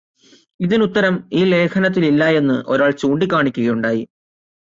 ഇതിനുത്തരം ഈ ലേഖനത്തിൽ ഇല്ലായെന്ന് ഒരാൾ ചൂണ്ടിക്കാണിക്കുകയുണ്ടായി.